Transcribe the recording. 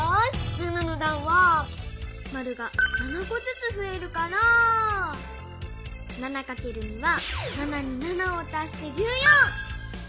７のだんはマルが７こずつふえるから７×２は７に７を足して１４。